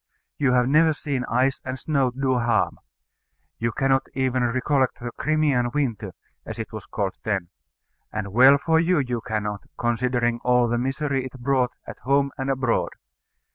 You have never seen ice and snow do harm. You cannot even recollect the Crimean Winter, as it was called then; and well for you you cannot, considering all the misery it brought at home and abroad.